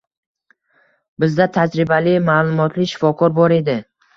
Bizda tajribali, ma'lumotli shifokor bor edi